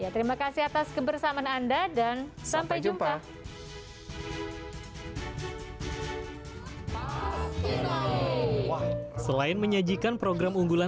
terima kasih atas kebersamaan anda dan sampai jumpa